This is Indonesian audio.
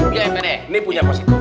ini punya mpok siti